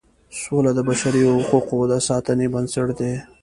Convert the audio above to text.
سوله د بشري حقوقو د ساتنې بنسټ دی.